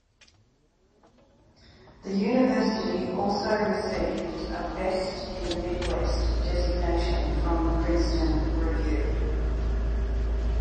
The university also received a 'Best in the Midwest' designation from the Princeton Review.